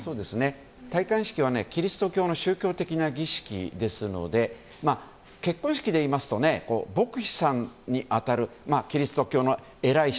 戴冠式は、キリスト教の宗教的な儀式ですので結婚式でいいますと牧師さんに当たるキリスト教の偉い人